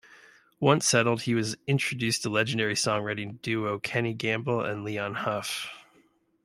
Once settled, he was introduced to legendary songwriting duo Kenny Gamble and Leon Huff.